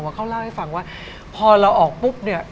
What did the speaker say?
เหล่าให้ฟังว่าเพราะเราออกปุ้บเนี่ย